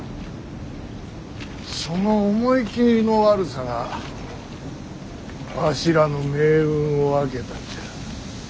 その思い切りの悪さがわしらの命運を分けたんじゃ。